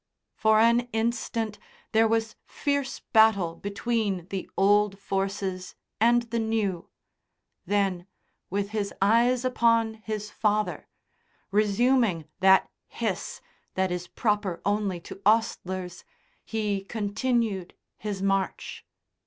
For an instant there was fierce battle between the old forces and the new. Then, with his eyes upon his father, resuming that hiss that is proper only to ostlers, he continued his march.